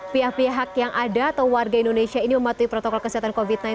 pihak pihak yang ada atau warga indonesia ini mematuhi protokol kesehatan covid sembilan belas